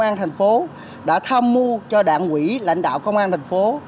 công an thành phố đã tham mưu cho đảng quỹ lãnh đạo công an thành phố